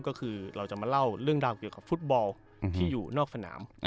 ก็คือเราจะมาเล่าเรื่องราวเกี่ยวกับฟุตบอลที่อยู่นอกสนาม